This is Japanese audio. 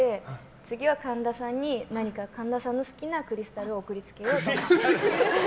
次は神田さんに神田さんの好きなクリスタルを送りつけようと思って。